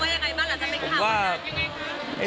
เขาว่ายังไงบ้างหลังจากเป็นข่าวนะครับ